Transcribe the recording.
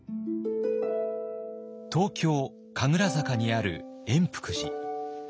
東京・神楽坂にある圓福寺。